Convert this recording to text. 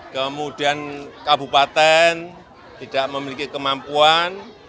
kemudian kabupaten tidak memiliki kemampuan